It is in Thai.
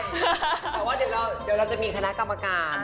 แต่ว่าเดี๋ยวเราจะมีคณะกรรมการ